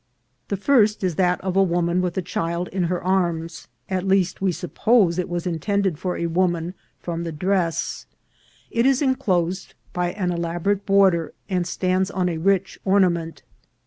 The first is that of a woman with a child in her arms ; at least we suppose it to be intended for a woman from the dress. It is enclosed by an elaborate border, and stands on a rich ornament.